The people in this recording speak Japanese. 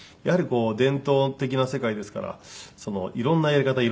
やはりこう伝統的な世界ですからいろんなやり方